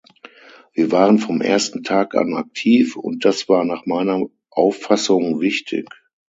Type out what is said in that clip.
Wir waren vom ersten Tag an aktiv, und das war nach meiner Auffassung wichtig.